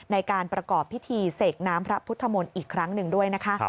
ในการประกอบพิธีเสกน้ำพระพุทธมนต์อีกครั้งหนึ่งด้วยนะคะ